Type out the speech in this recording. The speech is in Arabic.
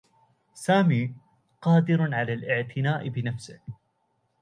سامي قادر على الاعتناء بنفسه.